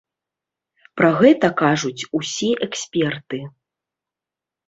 Пра гэта кажуць усе эксперты.